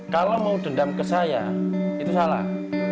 kalau mau dendam ke saya itu salah